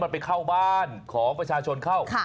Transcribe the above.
มันไปเข้าบ้านของมันชมเข้า